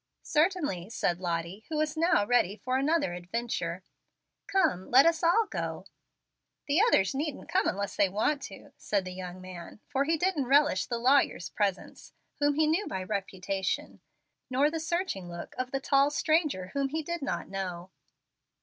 "Certainly," said Lottie, who was now ready for another adventure. "Come; let us all go." "The others needn't come unless they want to," said the young man; for he didn't relish the lawyer's presence, whom he knew by reputation, nor the searching look of the tall stranger whom he did not know.